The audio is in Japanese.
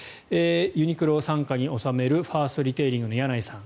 ユニクロを傘下に収めるファーストリテイリングの柳井さん